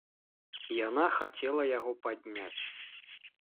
Яна хацела яго падняць.